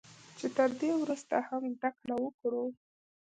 چې تر دې ورسته هم زده کړه وکړو